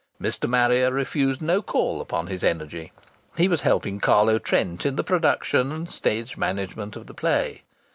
Mr. Marrier refused no call upon his energy. He was helping Carlo Trent in the production and stage management of the play.